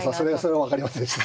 それは分かりませんでした。